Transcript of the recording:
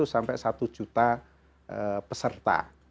sembilan ratus sampai satu juta peserta